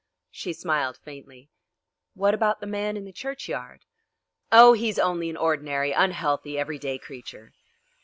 She smiled faintly. "What about the man in the churchyard?" "Oh, he's only an ordinary unhealthy, everyday creature."